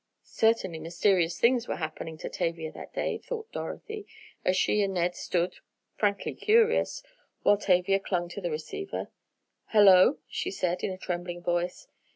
Certainly mysterious things were happening to Tavia that day, thought Dorothy, as she and Ned stood, frankly curious, while Tavia clung to the receiver. "Hello!" she said, in a trembling voice.